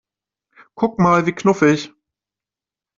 Guck mal, wie knuffig!